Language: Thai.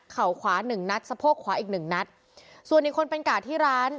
ขวาหนึ่งนัดสะโพกขวาอีกหนึ่งนัดส่วนอีกคนเป็นกาดที่ร้าน